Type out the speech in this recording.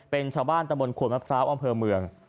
เป็นชาวบ้านตะบนขวดมะพร้าวอำเภอเมือง